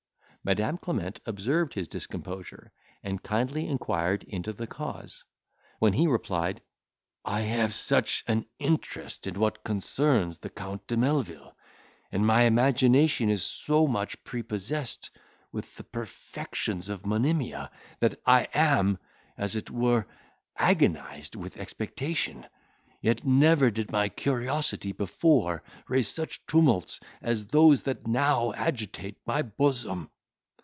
Madam Clement observed his discomposure, and kindly inquired into the cause; when he replied, "I have such an interest in what concerns the Count de Melvil, and my imagination is so much prepossessed with the perfections of Monimia, that I am, as it were, agonised with expectation; yet never did my curiosity before raise such tumults as those that now agitate my bosom."